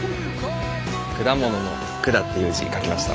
「果物」の「果」っていう字書きました。